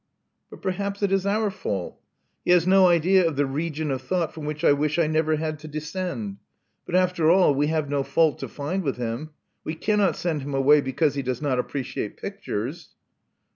'*But perhaps it is our fault. He has no idea of the region of thought from which I wish I never had to descend ; but, after all, we have no fault to find with him. We cannot send him away because he does not appreciate pictures."